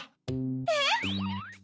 えっ？